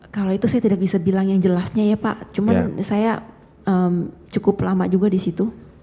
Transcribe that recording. kalau itu saya tidak bisa bilang yang jelasnya ya pak cuman saya cukup lama juga di situ